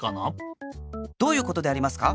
どういうことでありますか？